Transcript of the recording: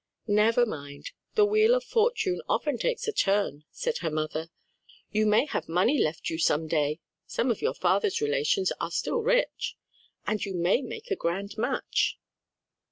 "Never mind; the wheel of fortune often takes a turn," said her mother. "You may have money left you some day (some of your father's relations are still rich), and you may make a grand match."